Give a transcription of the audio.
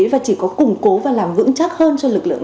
và chỉ có củng cố và làm vững chắc hơn